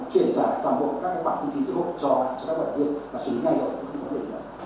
chuyển trả toàn bộ các bản kinh tế giữa quốc cho các vận động viên và xử lý ngay rồi những vận động viên đó